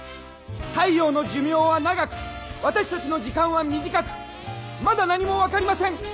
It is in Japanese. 太陽の寿命は長く私たちの時間は短くまだ何も分かりません！